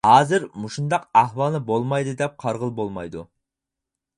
ھازىر مۇشۇنداق ئەھۋالنى بولمايدۇ دەپ قارىغىلى بولمايدۇ.